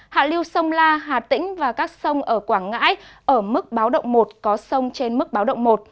hạ lưu sông la hà tĩnh và các sông ở quảng ngãi ở mức báo động một có sông trên mức báo động một